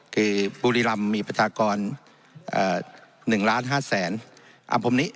คือบุรีรำมีประชากร๑ล้าน๕แสน